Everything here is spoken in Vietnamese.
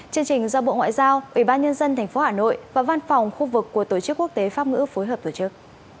chương trình do bộ ngoại giao ủy ban nhân dân tp hà nội và văn phòng khu vực của tổ chức quốc tế pháp ngữ phối hợp tổ chức